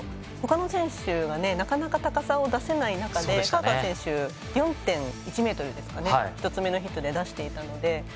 ほかの選手がなかなか高さを出せない中でカーカー選手は４．１ｍを１つ目のヒットで出していたので。